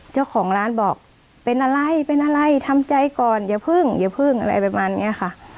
เจ้าของร้านบอกเป็นอะไรเป็นอะไรทำใจก่อนอย่าพึ่งอย่าพึ่งอะไรประมาณนี้ค่ะ